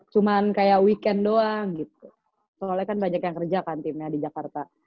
cuma kayak weekend doang gitu soalnya kan banyak yang kerja kan timnya di jakarta